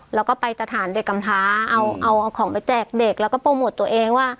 แล้วก็ไปสถานเด็กกำท้าเอาของไปแจกเด็กแล้วก็โปรโมทตัวเองว่า